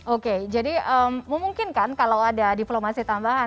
oke jadi memungkinkan kalau ada diplomasi tambahan